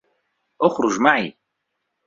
اُخْرُجْ مَعِي